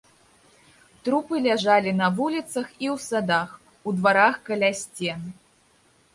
Трупы ляжалі на вуліцах і ў садах, у дварах каля сцен.